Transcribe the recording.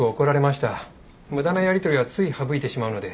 無駄なやりとりはつい省いてしまうので。